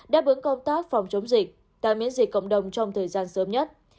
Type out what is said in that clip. đáp ứng công tác phòng chống dịch tại miễn dịch cộng đồng trong thời gian sớm nhất